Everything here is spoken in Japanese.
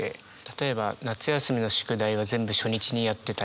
例えば夏休みの宿題は全部初日にやってたりとか。